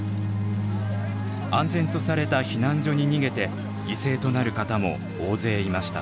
安全とされた避難所に逃げて犠牲となる方も大勢いました。